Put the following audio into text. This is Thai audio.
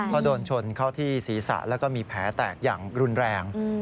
เพราะโดนชนเข้าที่ศีรษะแล้วก็มีแผลแตกอย่างรุนแรง